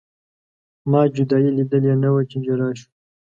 ما جدایي لیدلې نه وه چې جلا شو.